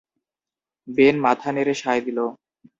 Ben মাথা নেড়ে সায় দিলো।